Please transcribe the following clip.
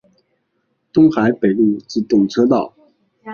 东海北陆自动车道。